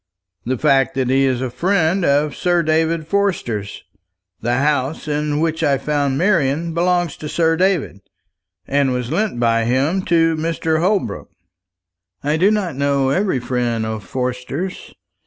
"The fact that he is a friend of Sir David Forster's. The house in which I found Marian belongs to Sir David, and was lent by him to Mr. Holbrook." "I do not know every friend of Forster's.